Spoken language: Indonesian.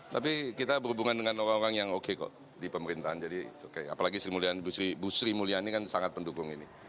tapi kita berhubungan dengan orang orang yang oke kok di pemerintahan jadi apalagi sri mulyani bu sri mulyani kan sangat pendukung ini